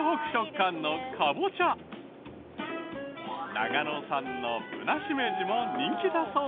長野産のぶなしめじも人気だそう。